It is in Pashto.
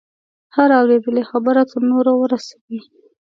هره اورېدلې خبره تر نورو ورسوي.